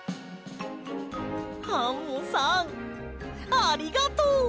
アンモさんありがとう！